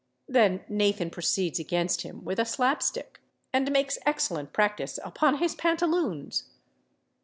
Then Nathan proceeds against him with a slapstick, and makes excellent practice upon his pantaloons.